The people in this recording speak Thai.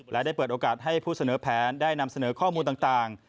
และได้เปิดโอกาสให้ผู้เสนอแผนได้นำเสนอข้อมูลต่าง